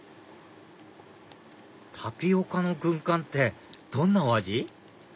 タピオカの軍艦ってどんなお味？